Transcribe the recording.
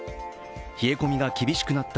冷え込みが厳しくなっち